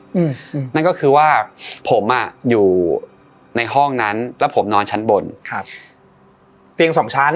อืมนั่นก็คือว่าผมอ่ะอยู่ในห้องนั้นแล้วผมนอนชั้นบนครับเตียงสองชั้น